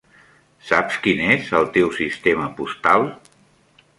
Saps quin és el teu sistema postal?